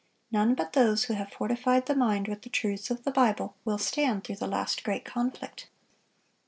None but those who have fortified the mind with the truths of the Bible will stand through the last great conflict.